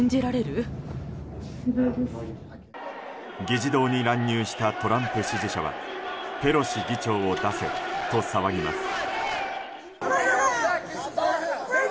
議事堂に乱入したトランプ支持者はペロシ議長を出せと騒ぎます。